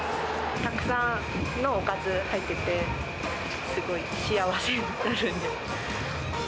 たくさんのおかず入ってて、すごい幸せになるんで。